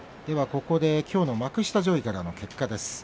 ここできょうの幕下上位からの結果です。